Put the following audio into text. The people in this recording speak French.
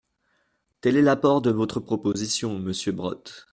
Tel est l’apport de votre proposition, monsieur Brottes.